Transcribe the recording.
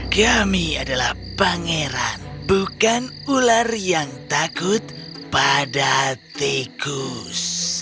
kami adalah pangeran bukan ular yang takut pada tikus